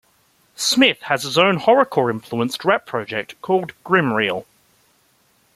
Smith has his own horrorcore-influenced rap project called Grimm Real.